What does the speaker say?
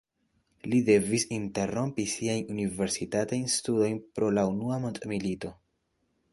Li devis interrompi siajn universitatajn studojn pro la unua mondmilito.